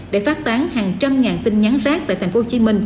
để phát tán hàng trăm ngàn tin nhắn rác tại tp hcm